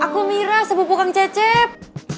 aku myra sepupuk kang cecep